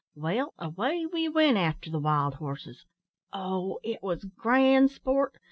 Well, away we went after the wild horses. Oh! it was grand sport!